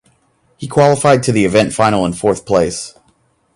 He qualified to the event final in fourth place.